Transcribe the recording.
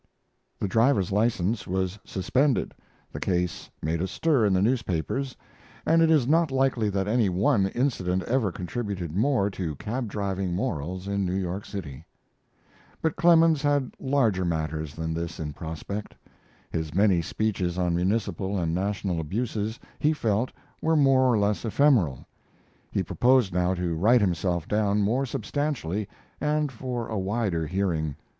The driver's license was suspended. The case made a stir in the newspapers, and it is not likely that any one incident ever contributed more to cab driving morals in New York City. But Clemens had larger matters than this in prospect. His many speeches on municipal and national abuses he felt were more or less ephemeral. He proposed now to write himself down more substantially and for a wider hearing.